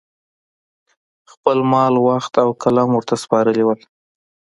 خپل مال، وخت او قلم ورته سپارلي وو